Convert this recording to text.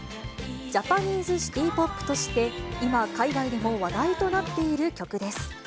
ジャパニーズ・シティ・ポップとして、今海外でも話題となっている曲です。